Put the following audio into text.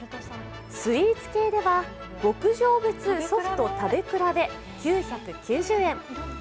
スイーツ系では牧場別ソフト食べ比べ９９０円。